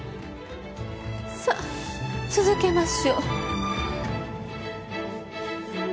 さっ続けましょう。